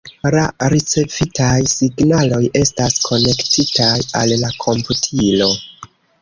La ricevitaj signaloj estas konektitaj al la komputilo.